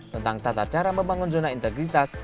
tentang tata cara membangun zona integritas